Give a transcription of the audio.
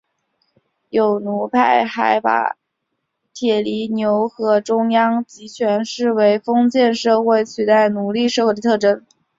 有奴派还把铁犁牛耕和中央集权视为封建社会取代奴隶社会的特征。